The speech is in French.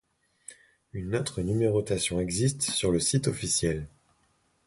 Une autre numérotation existe sur le site officiel.